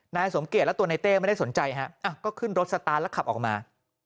นายสมเกียจและตัวนายเต้ไม่ได้สนใจฮะก็ขึ้นรถสตาร์ทแล้วขับออกมา